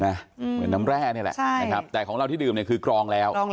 เหมือนน้ำแร่นี่แหละนะครับแต่ของเราที่ดื่มเนี่ยคือกรองแล้ว